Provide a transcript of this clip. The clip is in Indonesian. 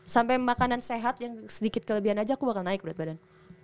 sampai makanan sehat yang sedikit kelebihan aja aku bakal naik berat badan